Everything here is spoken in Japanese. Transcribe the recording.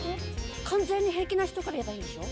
完全に平気な人から言えばいいんでしょ？